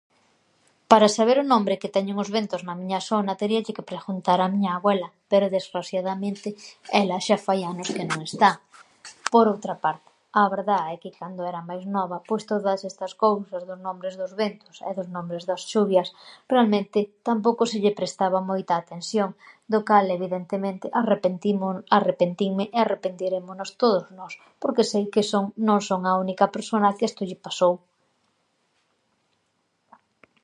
Para saber o nombre que teñen os ventos na miña sona teríalle que preghuntar a miña abuela, pero desghrasiadamente ela xa fai anos que non está. Por outra parte, a verdá é que cando era máis nova, pois, todas estas cousas dos nombres dos ventos e dos nombres das chuvias, realmente, tampouco se lle prestaba moita atención do cal evidentemente arrepentinm-, arrepentinme e arrepentirémonos todos nós porque sei que son, non son a única persona que esto lle pasou.